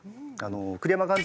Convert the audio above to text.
栗山監督